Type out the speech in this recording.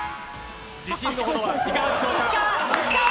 自信のほどはいかがでしょうか？